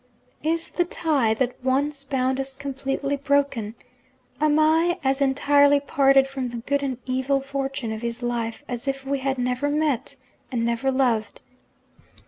'Is the tie that once bound us completely broken? Am I as entirely parted from the good and evil fortune of his life as if we had never met and never loved?'